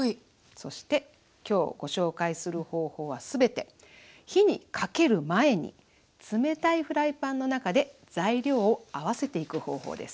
そして今日ご紹介する方法は全て火にかける前に冷たいフライパンの中で材料を合わせていく方法です。